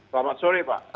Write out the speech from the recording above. selamat sore pak